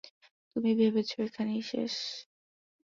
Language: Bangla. তুমি ভেবেছ এখানেই শেষ?